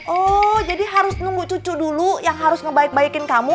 oh jadi harus nunggu cucu dulu yang harus ngebaik baikin kamu